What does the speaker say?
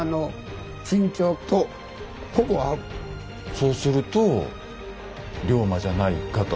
そうすると龍馬じゃないかと。